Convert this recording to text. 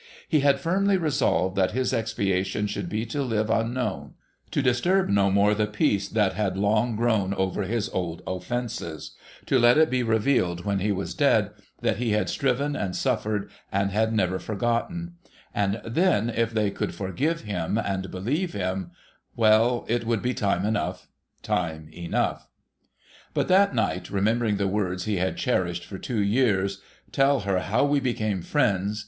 He had firmly resolved that his expiation should be to live unknown ; to disturb no more the peace that had long grown over his old offences ; to let it be revealed, when he was dead, that he had striven and suffered, and had never forgotten j and then, if they 75 THE SEVEN POOR TRAVELLERS could forgive him and believe him — well, it would be time enough •— time enough ! But that night, remembering the words he had cherished for two years, ' Tell her how we became friends.